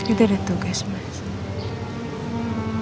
itu udah tugas mas